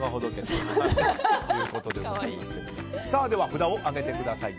札を上げてください。